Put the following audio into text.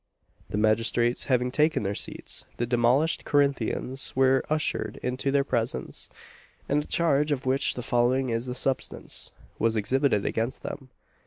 The magistrates having taken their seats, the demolished Corinthians were ushered into their presence, and a charge, of which the following is the substance, was exhibited against them.